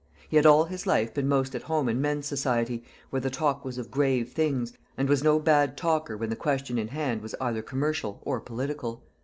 He had all his life been most at home in men's society, where the talk was of grave things, and was no bad talker when the question in hand was either commercial or political.